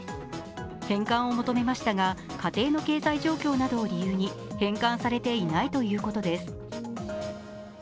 返還を求めましたが、家庭の経済状況などを理由に返還されていないということです。